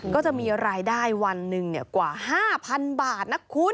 ก็จะมีรายได้วันหนึ่งกว่า๕๐๐๐บาทนะคุณ